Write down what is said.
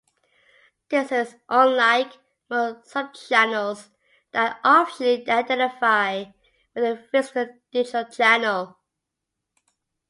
This is unlike most subchannels that officially identify with a physical digital channel.